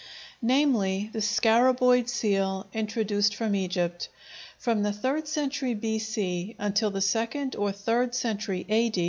namely, the scaraboid seal introduced from Egypt. From the third century B.C. until the second or third century A.